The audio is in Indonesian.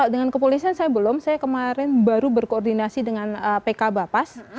dengan kepolisian saya belum saya kemarin baru berkoordinasi dengan pk bapas